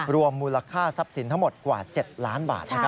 รวมมูลค่าทรัพย์สินทั้งหมดกว่า๗ล้านบาท